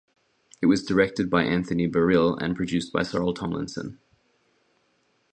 It was directed by Anthony Barrile and produced by Sorrel Tomlinson.